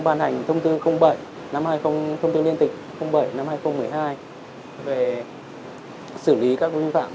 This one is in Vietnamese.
ban hành thông tư liên tịch bảy hai nghìn một mươi hai về xử lý các vấn phạm